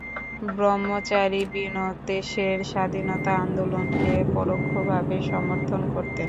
ব্রহ্মচারী বিনোদ দেশের স্বাধীনতা আন্দোলনকে পরোক্ষ ভাবে সমর্থন করতেন।